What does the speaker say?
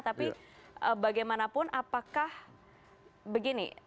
tapi bagaimanapun apakah begini